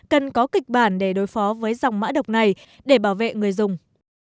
cần có kịch bản để đối phó với dòng mã độc này để bảo vệ người dùng